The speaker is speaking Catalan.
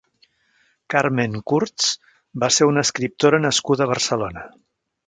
Carmen Kurtz va ser una escriptora nascuda a Barcelona.